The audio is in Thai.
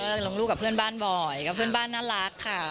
ก็ลงรูปกับเพื่อนบ้านบ่อยกับเพื่อนบ้านน่ารักค่ะ